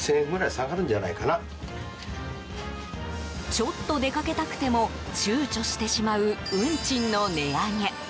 ちょっと出かけたくてもちゅうちょしてしまう運賃の値上げ。